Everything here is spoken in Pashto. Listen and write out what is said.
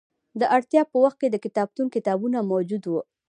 د اړتیا په وخت به د کتابتون کتابونه موجود وو.